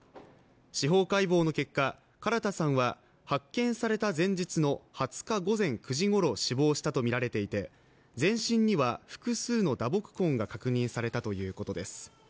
司法解剖の結果、唐田さんは発見された前日の２０日午前９時ごろ死亡したとみられていて全身には複数の打撲痕が確認されたということです。